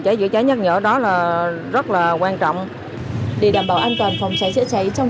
cháy chữa cháy nhắc nhở đó là rất là quan trọng để đảm bảo an toàn phòng cháy chữa cháy trong